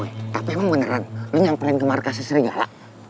woy tapi emang beneran lo nyamperin ke markasnya serigala